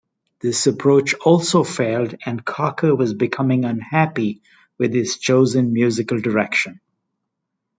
This approach also failed and Cocker was becoming unhappy with his chosen musical direction.